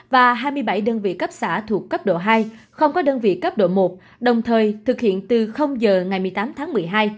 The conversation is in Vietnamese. và hai mươi bảy đơn vị cấp xã thuộc cấp độ hai không có đơn vị cấp độ một đồng thời thực hiện từ giờ ngày một mươi tám tháng một mươi hai